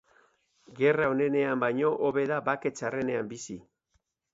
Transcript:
Gerra onenean baino hobe da bake txarrenean bizi.